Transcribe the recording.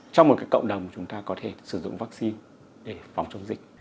trong một cái cộng đồng chúng ta có thể sử dụng vaccine để phòng chống dịch